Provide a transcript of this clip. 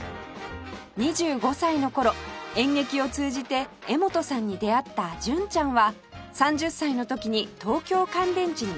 ２５歳の頃演劇を通じて柄本さんに出会った純ちゃんは３０歳の時に東京乾電池に参加